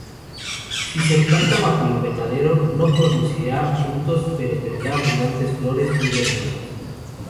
Si se planta bajo invernadero, no producirá frutos, pero tendrá abundantes flores muy hermosas.